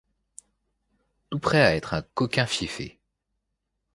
Tout prêt à être un coquin fieffé.